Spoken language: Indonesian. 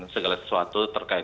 segala sesuatu terkait